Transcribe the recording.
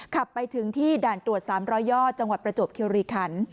ขับไปถึงที่ด่านตรวจ๓๐๐ยอดจังหวัดประจวบคิวรีคัน